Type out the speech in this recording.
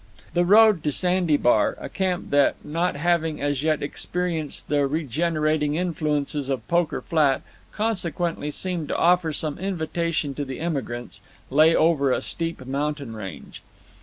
The road to Sandy Bar a camp that, not having as yet experienced the regenerating influences of Poker Flat, consequently seemed to offer some invitation to the emigrants lay over a steep mountain range.